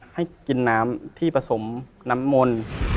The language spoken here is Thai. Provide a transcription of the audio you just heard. ให้กินน้ำที่ผสมน้ำมนต์